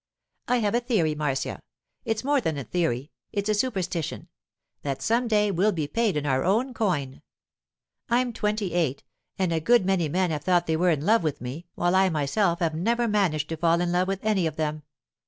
'I have a theory, Marcia—it's more than a theory: it's a superstition,—that some day we'll be paid in our own coin. I'm twenty eight, and a good many men have thought they were in love with me, while I myself have never managed to fall in love with any of them.